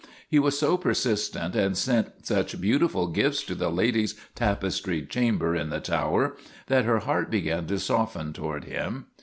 He was so persistent and sent such beautiful gifts to the Lady's tapestried chamber in the tower, that her heart began to soften toward him.